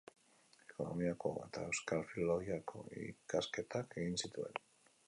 Ekonomiako eta euskal filologiako ikasketak egin zituen.